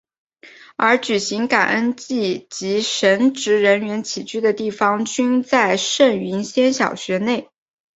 而举行感恩祭及神职人员起居的地方均在圣云仙小学内。